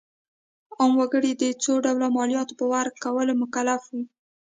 عام وګړي د څو ډوله مالیاتو په ورکولو مکلف وو.